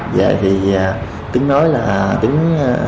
về thì tứng nói là tứng